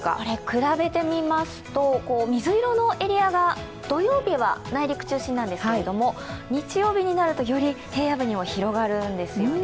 比べてみますと、水色のエリアが土曜日は内陸中心なんですけど、日曜日になると、より平野部にも広がるんですよね。